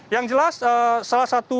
yang jelas salah satu dasar dari kebijakan ini